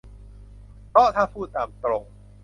เพราะถ้าพูดตามตรง